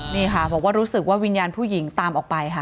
นี่ค่ะบอกว่ารู้สึกว่าวิญญาณผู้หญิงตามออกไปค่ะ